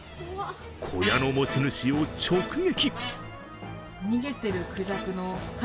小屋の持ち主を直撃。